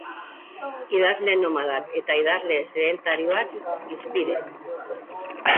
Idazle nomadak eta idazle sedentarioak, hizpide.